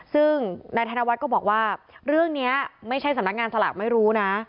ซึ่งนายธนวัฒน์ก็บอกว่าเรื่องนี้ไม่ใช่สำนักงานสลากไม่รู้นะ